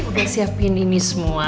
udah siapin ini semua